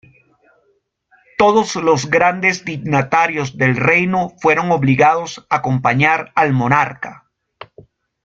Todos los grandes dignatarios del reino fueron obligados a acompañar al monarca.